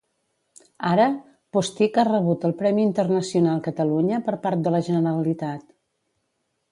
Ara, Postic ha rebut el premi Internacional Catalunya per part de la Generalitat.